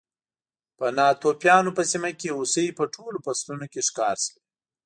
په ناتوفیانو په سیمه کې هوسۍ په ټولو فصلونو کې ښکار شوې